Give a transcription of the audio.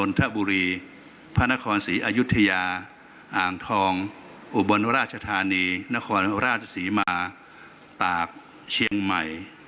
ทบุรีพระนครศรีอายุทยาอ่างทองอุบลราชธานีนครราชศรีมาตากเชียงใหม่